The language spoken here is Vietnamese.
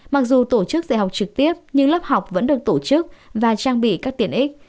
mặc dù tổ chức dạy học trực tiếp nhưng lớp học vẫn được tổ chức và trang bị các tiện ích